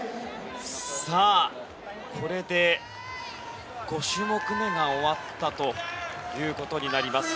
さあ、これで５種目めが終わったことになります。